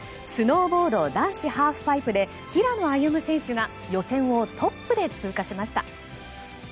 スノーボード男子ハーフパイプで平野歩夢選手が予選をトップで通過しました。